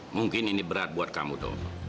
mungkin ini berat buat kamu tuh